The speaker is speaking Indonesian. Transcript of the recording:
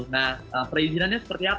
nah perizinannya seperti apa